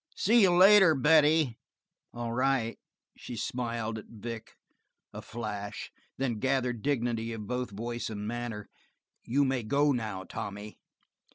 "See you later, Betty." "All right." She smiled at Vic a flash and then gathered dignity of both voice and manner. "You may go now, Tommy."